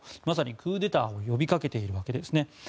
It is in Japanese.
まさにクーデターを呼び掛けているわけですね。